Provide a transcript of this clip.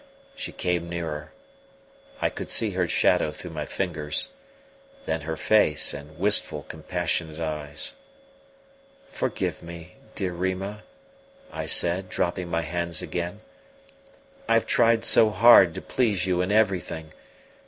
She came nearer: I could see her shadow through my fingers; then her face and wistful, compassionate eyes. "Forgive me, dear Rima," I said, dropping my hands again. "I have tried so hard to please you in everything!